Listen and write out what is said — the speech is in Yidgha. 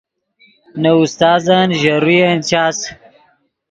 نے استازن ژے روین چاس